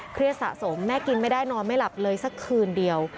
สะสมแม่กินไม่ได้นอนไม่หลับเลยสักคืนเดียว